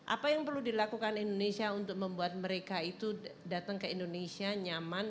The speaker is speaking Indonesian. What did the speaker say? apa yang perlu dilakukan indonesia untuk membuat mereka itu datang ke indonesia nyaman